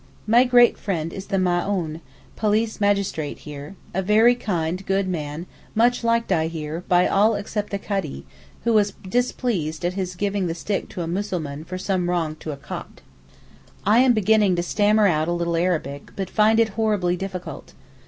My great friend is the Maōhn (police magistrate) here—a very kind, good man, much liked, I hear, by all except the Kadee, who was displeased at his giving the stick to a Mussulman for some wrong to a Copt. I am beginning to stammer out a little Arabic, but find it horribly difficult.